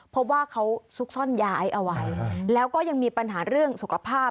พบว่าเขาซุกซ่อนยาไอเอาไว้แล้วก็ยังมีปัญหาเรื่องสุขภาพ